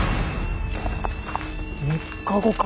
３日後か。